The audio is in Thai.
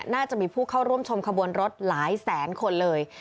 น่าจะมีผู้เข้าร่วมชมขบวนรถหลายแสนคนเลย